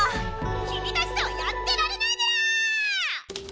きみたちとはやってられないメラ！